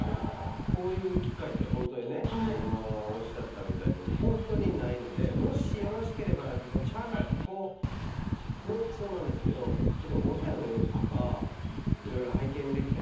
こういう機会ってホントにね今おっしゃったみたいにホントにないのでもしよろしければなんですけどちゃんこもそうなんですけどちょっと。